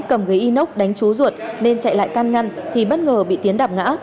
cầm ghế inốc đánh trú ruột nên chạy lại can ngăn thì bất ngờ bị tiến đạp ngã